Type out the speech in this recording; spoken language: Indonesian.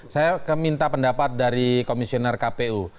saya minta pendapat dari komisioner kpu